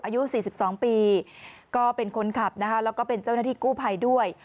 อายุ๔๒ปีก็เป็นคนขับนะคะแล้วก็เป็นเจ้าหน้าที่กู้ภัยด้วย